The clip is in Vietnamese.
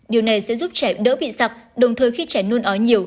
điều này sẽ giúp trẻ đỡ bị sặc đồng thời khi trẻ nôn ói nhiều